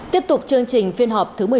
tiếp tục chương trình phiên họp thứ một mươi bốn